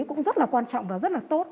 cũng rất là quan trọng và rất là tốt